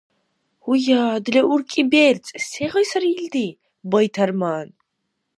Гьуя, дила уркӀи берцӀ! Се гъай сари илди? Байтарман!